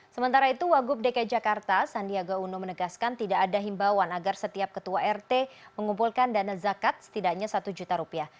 sementara itu wagub dki jakarta sandiaga uno menegaskan tidak ada himbauan agar setiap ketua rt mengumpulkan dana zakat setidaknya satu juta rupiah